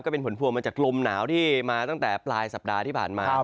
เป็นผลพวงมาจากลมหนาวที่มาตั้งแต่ปลายสัปดาห์ที่ผ่านมา